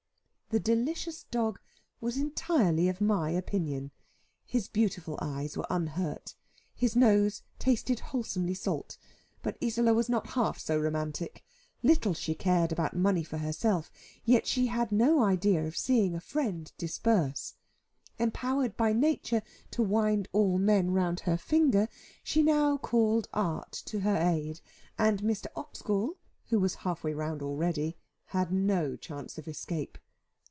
The delicious dog was entirely of my opinion. His beautiful eyes were unhurt. His nose tasted wholesomely salt. But Isola was not half so romantic. Little she cared about money for herself; yet she had no idea of seeing a friend disburse. Empowered by nature to wind all men round her finger, she now called art to her aid, and Mr. Oxgall, who was half way round already, had no chance of escape.